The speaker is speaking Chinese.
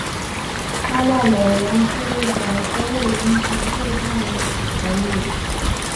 拍卖美元是一种非零和对抗博弈。